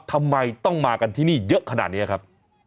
ทำไมต้องมากันที่นี่เยอะขนาดนี้ครับ